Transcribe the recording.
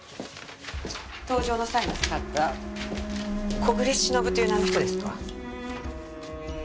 搭乗の際に使った小暮しのぶという名の人ですか？